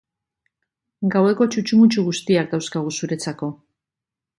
Gaueko txutxu-mutxu guztiak dauzkagu zuretzako!